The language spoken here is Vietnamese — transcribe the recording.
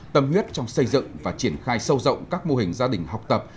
tâm huyết trong xây dựng và triển khai sâu rộng các mô hình gia đình học tập